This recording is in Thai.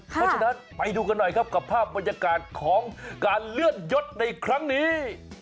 เพราะฉะนั้นไปดูกันหน่อยครับกับภาพบรรยากาศของการเลื่อนยศในครั้งนี้